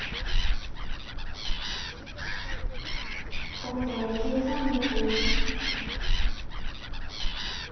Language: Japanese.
後手９三玉。